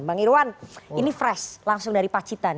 bang irwan ini fresh langsung dari pacitan